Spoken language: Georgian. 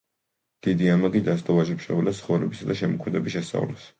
დიდი ამაგი დასდო ვაჟა–ფშაველას ცხოვრებისა და შემოქმედების შესწავლას.